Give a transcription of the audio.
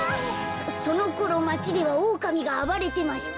そのころまちではオオカミがあばれてました。